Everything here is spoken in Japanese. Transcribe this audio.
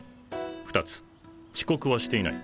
２つ遅刻はしていない。